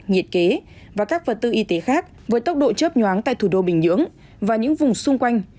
nhiệt kế và các vật tư y tế khác với tốc độ chớp nhoáng tại thủ đô bình nhưỡng và những vùng xung quanh